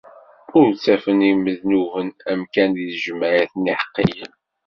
Ur ttafen imednuben amkan di tejmaɛt n yiḥeqqiyen.